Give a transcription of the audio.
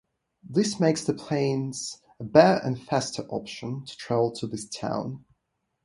This makes the planes a better and faster option to travel to this town.